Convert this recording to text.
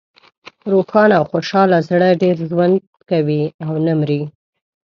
روښانه او خوشحاله زړه ډېر ژوند کوي او نه مری.